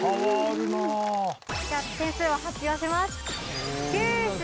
点数を発表します。